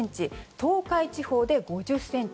東海地方で５０ｃｍ